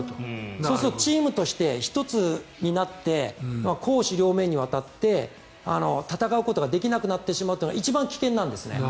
そうするとチームとして一つになって攻守両面にわたって戦うことができなくなってしまうのが一番危険なんですね。